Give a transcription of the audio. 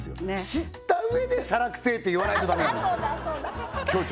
知ったうえで「しゃらくせえ」って言わないとダメなんですそうだ